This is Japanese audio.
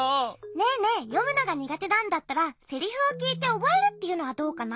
ねえねえよむのがにがてなんだったらセリフをきいておぼえるっていうのはどうかな？